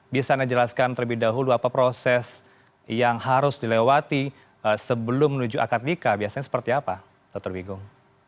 bisa anda jelaskan terlebih dahulu apa proses yang harus dilewati sebelum menuju akad nikah biasanya seperti apa dr bigung